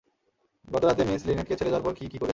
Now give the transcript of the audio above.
গত রাতে মিস লিনেটকে ছেড়ে যাওয়ার পর কী কী করেছেন?